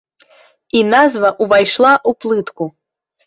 І назва ўвайшла ў плытку!